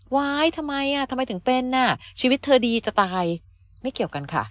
วายทำไมทำไมถึงเป็นชีวิตเธอดีจะตายไม่เกี่ยวกันค่ะ